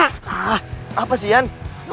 ah apa sih yang